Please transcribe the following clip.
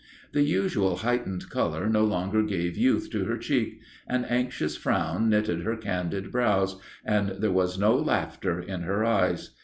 The usual heightened colour no longer gave youth to her cheek; an anxious frown knitted her candid brows; and there was no laughter in her eyes.